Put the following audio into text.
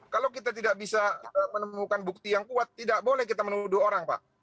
kalau kita tidak bisa menemukan bukti yang kuat tidak boleh kita menuduh orang pak